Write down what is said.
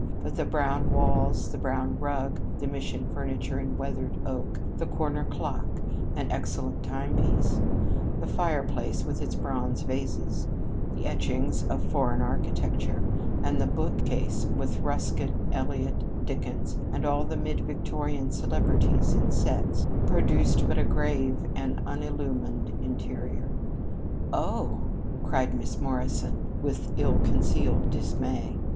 But the brown walls, the brown rug, the Mission furniture in weathered oak, the corner clock, an excellent time piece, the fireplace with its bronze vases, the etchings of foreign architecture, and the bookcase with Ruskin, Eliot, Dickens, and all the Mid Victorian celebrities in sets, produced but a grave and unillumined interior. "Oh!" cried Miss Morrison with ill concealed dismay.